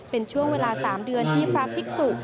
เป็นช่วงเวลา๓เดือนที่พระภิกษุ